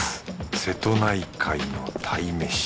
瀬戸内海の鯛めし。